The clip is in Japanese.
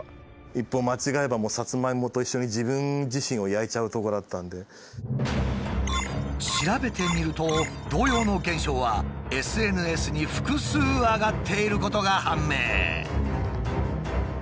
一歩間違えば調べてみると同様の現象はＳＮＳに複数上がっていることが判明！